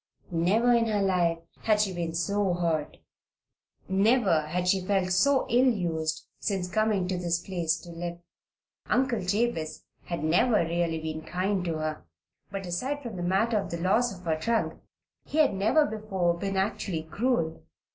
Never in her life had she been so hurt never had she felt herself so ill used since coming to this place to live. Uncle Jabez had never been really kind to her; but aside from the matter of the loss of her trunk he had never before been actually cruel.